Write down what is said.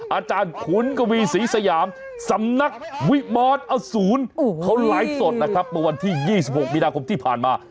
อาจารย์ขุนกวีศรีสยามสำนักวิมอรอสูรเขาไลฟ์สดนะครับเมื่อวันที่๒๖มีนาคมที่ผ่านมา